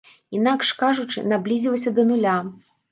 Інакш кажучы, наблізілася да нуля.